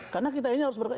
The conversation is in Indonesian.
karena kita ini harus beriman